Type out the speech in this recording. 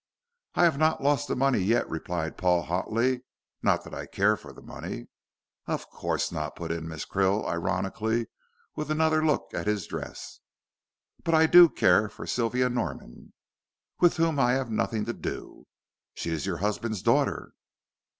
"I have not lost the money yet," replied Paul, hotly. "Not that I care for the money." "Of course not," put in Mrs. Krill, ironically, with another look at his dress. "But I do care for Sylvia Norman " "With whom I have nothing to do." "She is your husband's daughter."